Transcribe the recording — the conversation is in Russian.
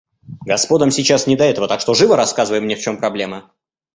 Господам сейчас не до этого, так что живо рассказывай мне в чем проблема.